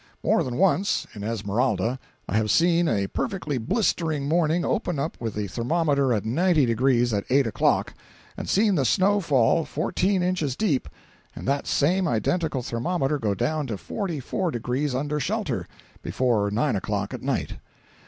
More than once (in Esmeralda) I have seen a perfectly blistering morning open up with the thermometer at ninety degrees at eight o'clock, and seen the snow fall fourteen inches deep and that same identical thermometer go down to forty four degrees under shelter, before nine o'clock at night.